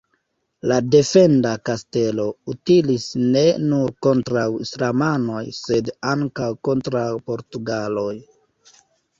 La defenda kastelo utilis ne nur kontraŭ islamanoj, sed ankaŭ kontraŭ portugaloj.